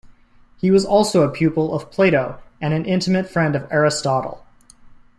He was also a pupil of Plato and an intimate friend of Aristotle.